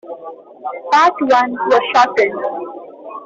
Part I was shortened.